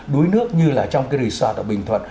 đuối nước như là trong cái resort ở bình thuận